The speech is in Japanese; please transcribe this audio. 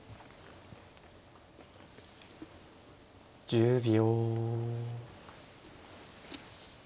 １０秒。